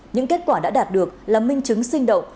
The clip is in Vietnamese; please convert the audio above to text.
những kết quả đã đạt được là minh chứng sinh động